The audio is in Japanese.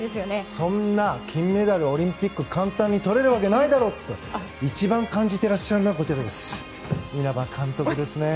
そんな金メダルオリンピックで簡単にとれるわけないだろ！って一番感じていらっしゃるのが稲葉監督ですね。